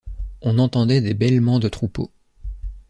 On entendait des bêlements de troupeaux.